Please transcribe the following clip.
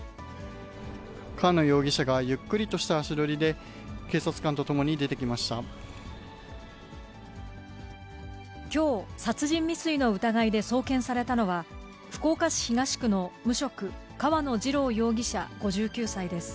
川野容疑者がゆっくりとした足取りで、きょう、殺人未遂の疑いで送検されたのは、福岡市東区の無職、川野二郎容疑者５９歳です。